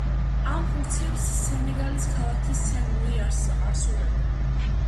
ამ ფუნქციებს სენეგალის ქალაქი სენ-ლუი ასრულებდა.